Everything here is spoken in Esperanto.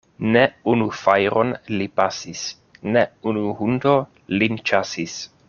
Ne unu fajron li pasis, ne unu hundo lin ĉasis.